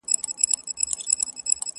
پر دښمن به مو ترخه زندګاني کړه!.